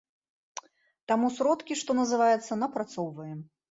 Таму сродкі, што называецца, напрацоўваем.